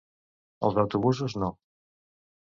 Els autobusos No.